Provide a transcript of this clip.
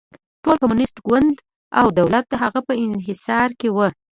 ټول کمونېست ګوند او دولت د هغه په انحصار کې و.